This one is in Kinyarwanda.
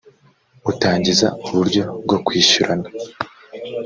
utangiza uburyo bwo kwishyurana